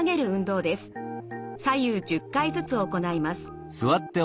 左右１０回ずつ行います。